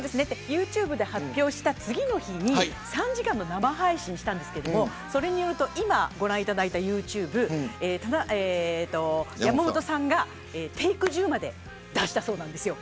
ユーチューブで発表した次の日に３時間の生配信をしたんですけどそれによると今、ご覧いただいたユーチューブ、山本さんがテイク１０まで出したそうなんですよ。